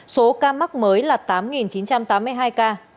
số ca mắc mới là tám chín trăm tám mươi hai ca